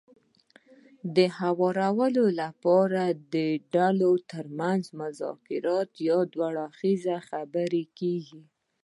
د هوارولو لپاره د ډلو ترمنځ مذاکرات يا دوه اړخیزې خبرې کېږي.